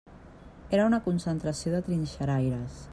Era una concentració de trinxeraires.